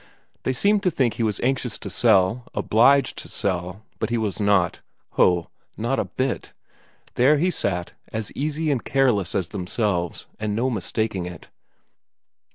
They seemed to think he was anxious to sell, obliged to sell, but he was not ho, not a bit; there he sat, as easy and careless as themselves, and no mistaking it.